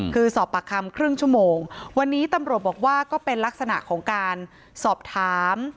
คือสอบปากคำครึ่งชั่วโมงวันนี้ตำรวจบอกว่าก็เป็นลักษณะของการสอบถาม